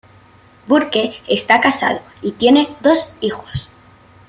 Burke está casado y tiene dos hijos.